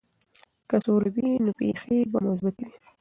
که سوله وي، نو پېښې به مثبتې وي.